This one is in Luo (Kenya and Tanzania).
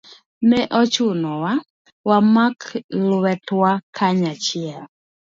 Ne ochunowa ni wamak lwetwa kanyachiel